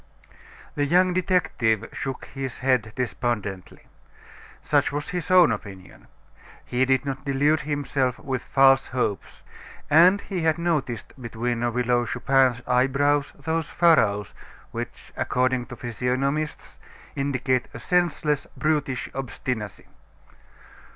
The young detective shook his head despondently. Such was his own opinion. He did not delude himself with false hopes, and he had noticed between the Widow Chupin's eyebrows those furrows which, according to physiognomists, indicate a senseless, brutish obstinacy.